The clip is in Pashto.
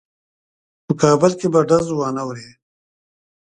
په کابل کې به ډز وانه وریږي.